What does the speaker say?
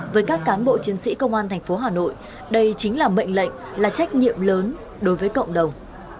với các cán bộ chiến sĩ công an thành phố hà nội đây chính là mệnh lệnh là trách nhiệm lớn đối với cộng đồng